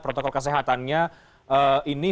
protokol kesehatannya ini